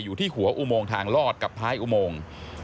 อยู่ที่หัวอุโมงทางลอดกับท้ายอุโมง